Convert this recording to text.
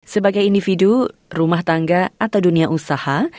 sebagai individu rumah tangga atau dunia usaha